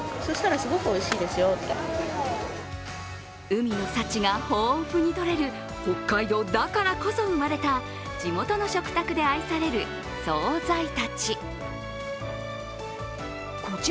海の幸が豊富にとれる北海道だからこそ生まれた地元の食卓で愛される総菜たち。